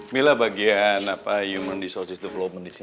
mila bagian human resources development di sini